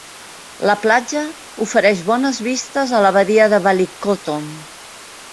La platja ofereix bones vistes a la badia de Ballycotton.